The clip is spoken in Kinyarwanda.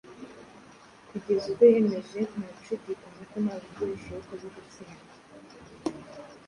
kugeza ubwo yemeje nta gushidikanya ko nta buryo bushoboka bwo gutsindwa